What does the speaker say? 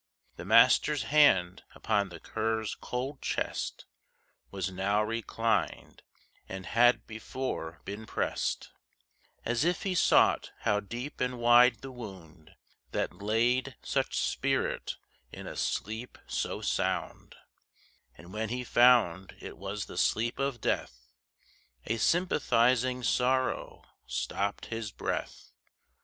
The master's hand upon the cur's cold chest Was now reclined, and had before been pressed, As if he sought how deep and wide the wound That laid such spirit in a sleep so sound; And when he found it was the sleep of death A sympathizing sorrow stopped his breath.